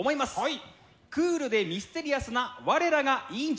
クールでミステリアスな我らが委員長！